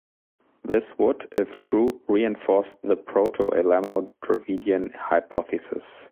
This would, if true, reinforce the proto-Elamo-Dravidian hypothesis.